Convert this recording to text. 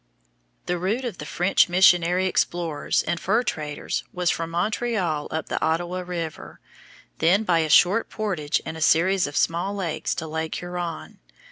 The route of the French missionary explorers and fur traders was from Montreal up the Ottawa River, then by a short portage and a series of small lakes to Lake Huron.